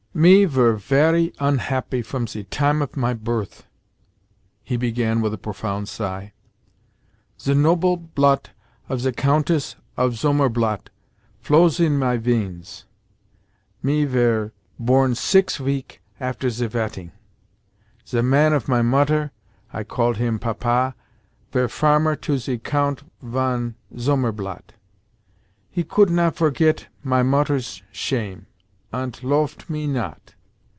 "Me vere very unhappy from ze time of my birth," he began with a profound sigh. "Ze noble blot of ze Countess of Zomerblat flows in my veins. Me vere born six veek after ze vetting. Ze man of my Mutter (I called him 'Papa') vere farmer to ze Count von Zomerblat. He coult not forget my Mutter's shame, ant loaft me not.